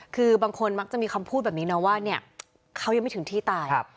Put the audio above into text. คือบางคนมักจะมีคำพูดแบบนี้นะว่าเนี่ยเขายังไม่ถึงที่ตาย